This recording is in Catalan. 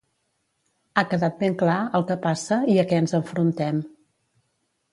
Ha quedat ben clar el que passa i a què ens enfrontem.